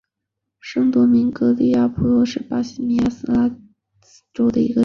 圣多明戈斯杜普拉塔是巴西米纳斯吉拉斯州的一个市镇。